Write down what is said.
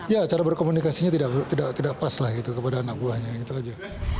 ya cara berkomunikasinya tidak pas lah gitu kepada anak buahnya gitu aja